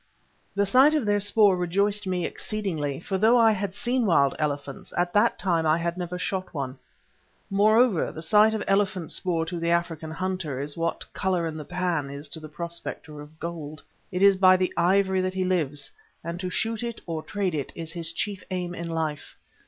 The sight of their spoor rejoiced me exceedingly, for though I had seen wild elephants, at that time I had never shot one. Moreover, the sight of elephant spoor to the African hunter is what "colour in the pan" is to the prospector of gold. It is by the ivory that he lives, and to shoot it or trade it is his chief aim in life.